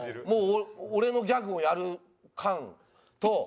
もう俺のギャグをやる菅と。